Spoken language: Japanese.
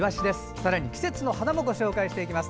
さらに季節の花もご紹介していきます。